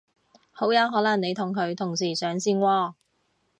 好有可能你同佢同時上線喎